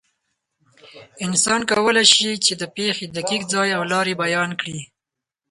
انسان کولی شي، چې د پېښې دقیق ځای او لارې بیان کړي.